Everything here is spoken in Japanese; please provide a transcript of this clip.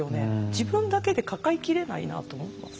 自分だけで抱えきれないなと思います。